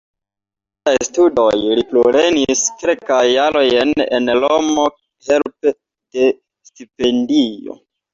Post siaj studoj li plulernis kelkajn jarojn en Romo helpe de stipendio.